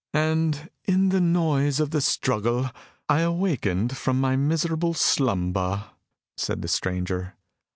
"And in the noise of the struggle I awakened from my miserable slumber," said the stranger.